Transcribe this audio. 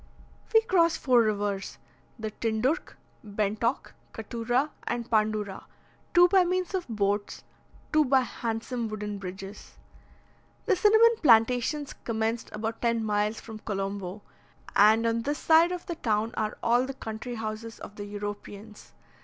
We crossed four rivers, the Tindurch, Bentock, Cattura, and Pandura, two by means of boats, two by handsome wooden bridges. The cinnamon plantations commenced about ten miles from Colombo; and on this side of the town are all the country houses of the Europeans.